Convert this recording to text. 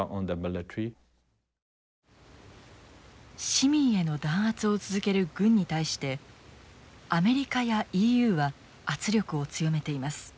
市民への弾圧を続ける軍に対してアメリカやＥＵは圧力を強めています。